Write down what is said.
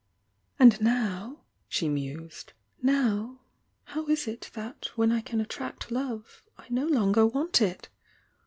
"Aid now," she mused, "now, how is it tiiat when I can attract love, I no longer want it?